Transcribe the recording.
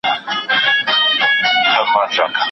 جهنم ته چي د شیخ جنازه یوسي